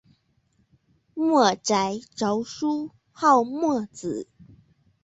墨翟着书号墨子。